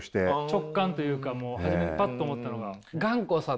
直感というか初めにパッと思ったのが？